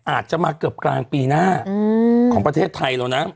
อาจจะมาเกือบกลางปีหน้าของประเทศไทยแล้วนะ